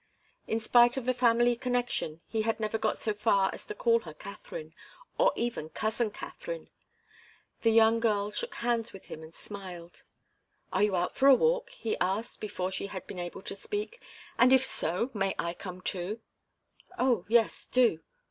In spite of the family connection he had never got so far as to call her Katharine, or even cousin Katharine. The young girl shook hands with him and smiled. "Are you out for a walk?" he asked, before she had been able to speak. "And if so, may I come too?" "Oh, yes do."